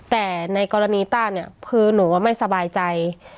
แต่ในกรณีต้าเนี่ยคือหนูไม่สบายใจ